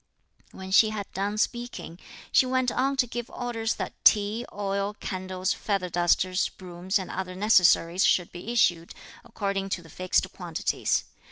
When she had done speaking, she went on to give orders that tea, oil, candles, feather dusters, brooms and other necessaries should be issued, according to the fixed quantities.